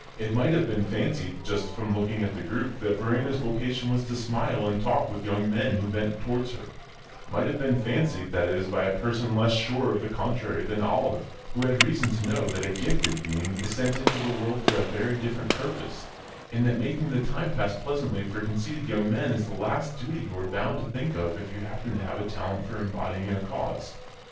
It might have been fancied, just from looking at the group, that Verena's vocation was to smile and talk with young men who bent towards her; might have been fancied, that is, by a person less sure of the contrary than Olive, who had reason to know that a "gifted being" is sent into the world for a very different purpose, and that making the time pass pleasantly for conceited young men is the last duty you are bound to think of if you happen to have a talent for embodying a cause.